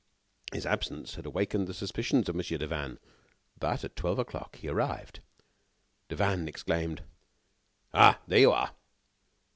His absence had awakened the suspicions of Mon. Devanne. But at twelve o'clock he arrived. Devanne exclaimed: "Ah! here you are!"